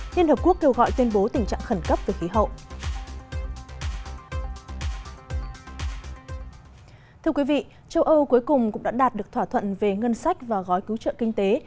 thưa quý vị châu âu cuối cùng cũng đã đạt được thỏa thuận về ngân sách và gói cứu trợ kinh tế